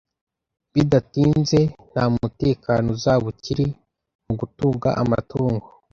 Bidatinze nta mutekano uzaba ukiri mu gutunga amatungo